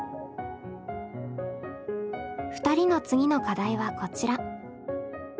２人の次の課題はこちら。